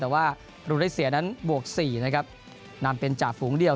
แต่ว่ารูได้เสียนั้นบวก๔นะครับนำเป็นจ่าฝูงเดียว